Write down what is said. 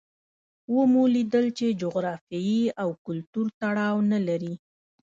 ومو لیدل چې جغرافیې او کلتور تړاو نه لري.